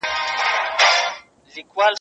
آیا ته د لالټين رڼا ته ناست وې؟